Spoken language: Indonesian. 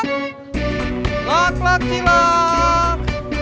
cilak cilak cilak